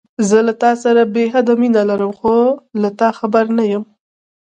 زه له تاسره بې حده مينه لرم، خو له تا خبر نه يم.